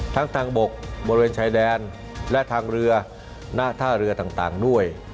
ทางบกบริเวณชายแดนและทางเรือหน้าท่าเรือต่างด้วย